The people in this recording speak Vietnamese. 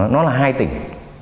nó là hai tỉnh